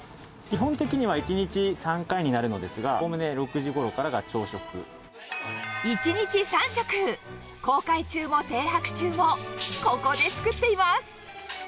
基本的には１日３回になるのですが、おおむね６時ごろからが１日３食、航海中も停泊中も、ここで作っています。